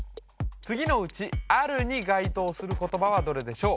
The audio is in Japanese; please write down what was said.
次のうち「ある」に該当する言葉はどれでしょう？